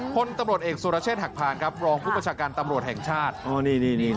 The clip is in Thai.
พลตำรวจเอกสุรเชษฐหักพานครับรองผู้ประชาการตำรวจแห่งชาติ